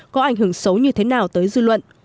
có ảnh hưởng xấu như thế nào tới dư luận